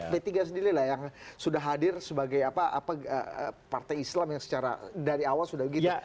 p tiga sendiri lah yang sudah hadir sebagai partai islam yang secara dari awal sudah begitu